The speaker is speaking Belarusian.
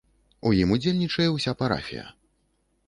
У ім удзельнічае ўся парафія.